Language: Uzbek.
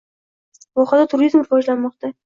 Vohada turizm rivojlanmoqda